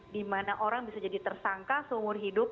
di mana orang bisa jadi tersangka seumur hidup